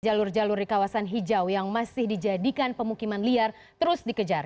jalur jalur di kawasan hijau yang masih dijadikan pemukiman liar terus dikejar